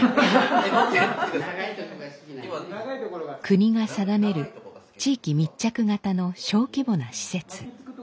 国が定める地域密着型の小規模な施設。